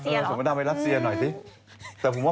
เอาคุณมดดำไปฝากเขาหน่อยได้ไหมล่ะ